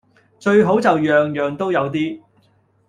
最好就樣樣都有啲